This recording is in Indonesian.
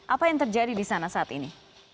apa yang terjadi di sana saat ini